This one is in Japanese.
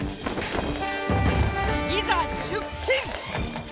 いざ出勤！